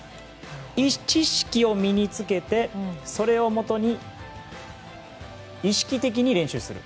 知識を身につけてそれをもとに意識的に練習する。